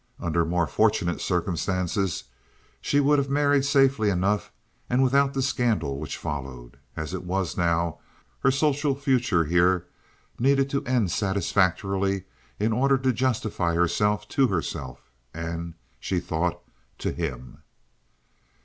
Under more fortunate circumstances she would have married safely enough and without the scandal which followed. As it was now, her social future here needed to end satisfactorily in order to justify herself to herself, and, she thought, to him.